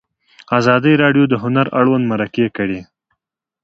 ازادي راډیو د هنر اړوند مرکې کړي.